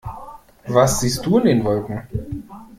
Was siehst du in den Wolken?